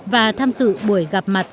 và tham dự buổi gặp mặt